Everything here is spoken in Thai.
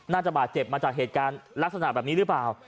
น่าจะบาดเจ็บมาจากเหตุการณ์ลักษณะแบบนี้หรือเปล่า